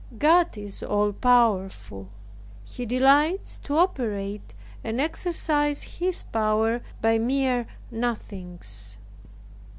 God is all powerful. He delights to operate, and exercise His power by mere nothings.